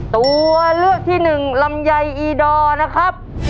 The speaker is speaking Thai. ตัวเลือกที่๑ลำไยอีดอค่ะ